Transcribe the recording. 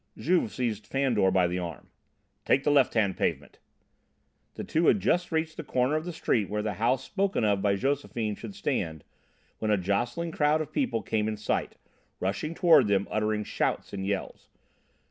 Juve seized Fandor by the arm. "Take the left hand pavement!" The two had just reached the corner of the street where the house spoken of by Josephine should stand, when a jostling crowd of people came in sight, rushing toward them, uttering shouts and yells.